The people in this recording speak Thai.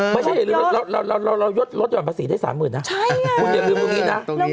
ไม่ใช่เราลดหย่อนภาษีได้๓๐๐๐๐นะใช่ไงคุณอย่าลืมลูกนี้นะ